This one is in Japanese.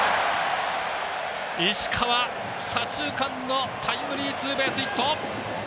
石川、左中間のタイムリーツーベースヒット。